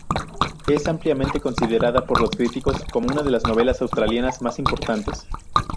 Es ampliamente considerada por críticos como una de las novelas australianas más importantes.